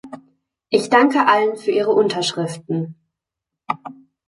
Ich danke allen für ihre Unterschriften.